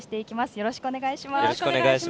よろしくお願いします。